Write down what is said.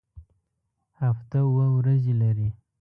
هفته اووه ورځې لري